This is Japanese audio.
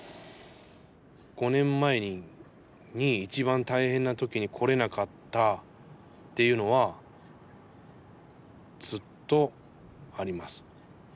５年前に一番大変な時に来れなかったっていうのはずっとあります。